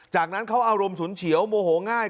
จากนั้นเขาอารมณ์ฉุนเฉียวโมโหง่าย